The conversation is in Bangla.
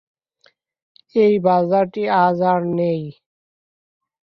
এই বাজারটি আজ আর নেই।